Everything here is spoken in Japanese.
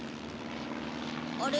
あれ？